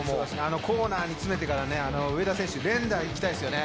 コーナーに詰めてから上田選手、連打いきたいですよね。